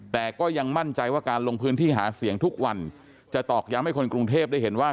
แต่ก็ยังมั่นใจว่าการลงพื้นที่หาเสียงทุกวันจะตอกย้ำให้คนกรุงเทพได้เห็นว่า